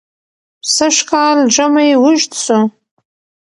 سژ کال ژمى وژد سو